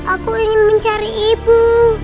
aku ingin mencari ibu